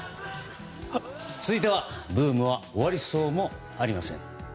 続いては、ブームは終わりそうもありません。